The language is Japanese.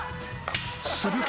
［すると］